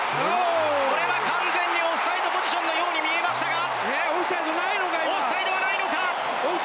これは完全にオフサイドポジションのように見えましたが。